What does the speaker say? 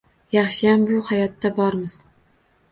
Yaxshiyam bu hayotda bormiz.